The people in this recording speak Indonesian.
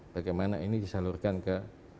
bagaimana ini disalurkan ke